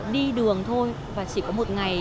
đi đường thôi và chỉ có một ngày